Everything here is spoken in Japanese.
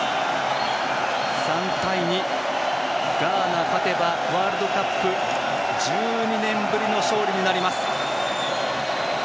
３対２、ガーナ勝てばワールドカップ１２年ぶりの勝利になります。